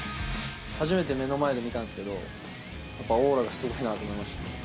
初めて目の前で見たんですけど、やっぱりオーラがすごいなと思いました。